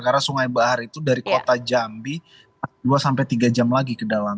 karena sungai bahar itu dari kota jambi dua tiga jam lagi ke dalam